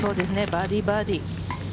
バーディー、バーディー。